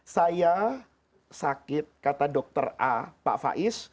saya sakit kata dokter a pak faiz